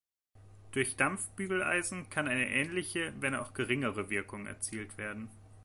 Durch Dampf-Bügeleisen kann eine ähnliche, wenn auch geringere, Wirkung erzielt werden.